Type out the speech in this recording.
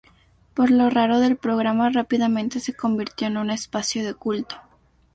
Por lo raro del programa, rápidamente se convirtió en un espacio de culto.